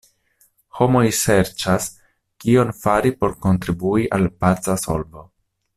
Homoj serĉas, kion fari por kontribui al paca solvo.